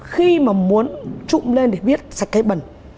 khi mà muốn trụm lên để viết sạch cái bẩn